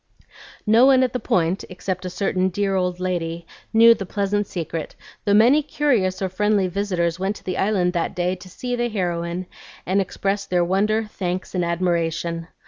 No one at the Point, except a certain dear old lady, knew the pleasant secret, though many curious or friendly visitors went to the Island that day to see the heroine and express their wonder, thanks, and admiration.